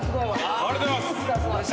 ありがとうございます。